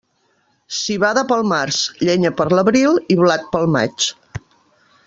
Civada pel març, llenya per l'abril i blat pel maig.